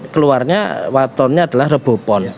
keluarnya wataknya adalah rebupon